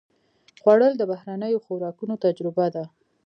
خوړل د بهرنیو خوراکونو تجربه ده